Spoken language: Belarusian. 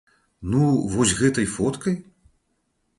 Ну вось гэтай фоткай?